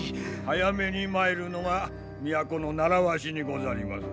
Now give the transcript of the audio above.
早めに参るのが都の習わしにござります。